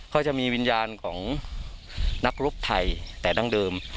ก็จะมีวิญญาณของนักรบไทยแต่ดั้งเดิม